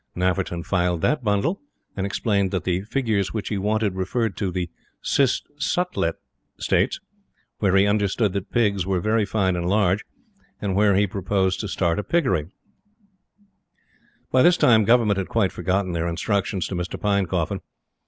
Nafferton filed that bundle, and explained that the figures which he wanted referred to the Cis Sutlej states, where he understood that Pigs were very fine and large, and where he proposed to start a Piggery. By this time, Government had quite forgotten their instructions to Mr. Pinecoffin.